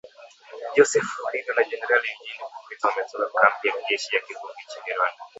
Joseph Rurindo na Generali Eugene Nkubito wametoka kambi ya kijeshi ya Kibungo nchini Rwanda